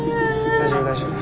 大丈夫大丈夫。